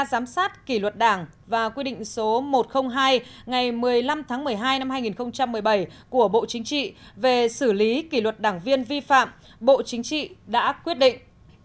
giám sát kỷ luật đảng và quy định số một trăm linh hai ngày một mươi năm tháng một mươi hai năm hai nghìn một mươi bảy của bộ chính trị về xử lý kỷ luật đảng viên vi phạm bộ chính trị đã quyết định